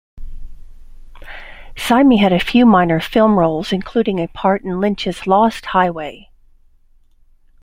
Syme had a few minor film roles including a part in Lynch's "Lost Highway".